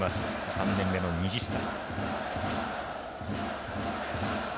３年目の２０歳。